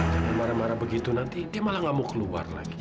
jangan marah marah begitu nanti dia malah gak mau keluar lagi